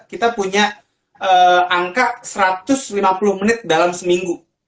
kita punya angka satu ratus lima puluh menit dalam seminggu